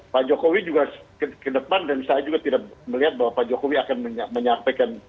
pak jokowi juga ke depan dan saya juga tidak melihat bahwa pak jokowi akan menyampaikan